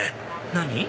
何？